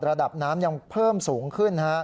ระดับน้ำยังเพิ่มสูงขึ้น